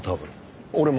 俺も。